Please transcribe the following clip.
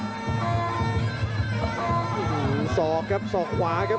พยายามจะไถ่หน้านี่ครับการต้องเตือนเลยครับ